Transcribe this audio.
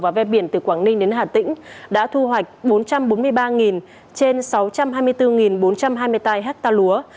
và ven biển từ quảng ninh đến hà tĩnh đã thu hoạch bốn trăm bốn mươi ba trên sáu trăm hai mươi bốn bốn trăm hai mươi tám ha lúa